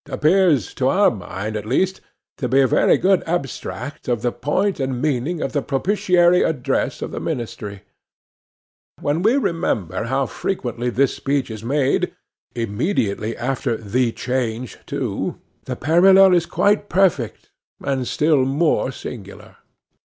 appears, to our mind at least, to be a very good abstract of the point and meaning of the propitiatory address of the ministry. When we remember how frequently this speech is made, immediately after the change too, the parallel is quite perfect, and still more singular.